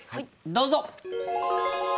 どうぞ！